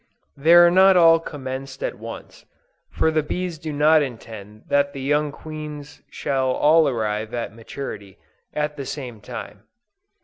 They are not all commenced at once, for the bees do not intend that the young queens shall all arrive at maturity, at the same time.